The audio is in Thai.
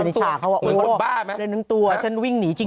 เหมือนคนบ้าไหมฮะฮะเหมือนคนบ้าไหมเล่นหนึ่งตัวฉันวิ่งหนีจริง